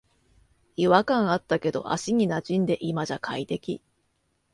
違和感あったけど足になじんで今じゃ快適